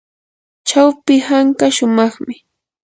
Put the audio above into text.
chawpi hanka shumaqmi.